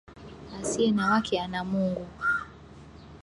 Asiye na wake ana Mungu